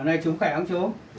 nào này chú khỏe không chú